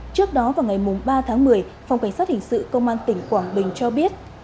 trước đó vào ngày ba tháng một mươi phòng cảnh sát hình sự công an tỉnh quảng bình cho biết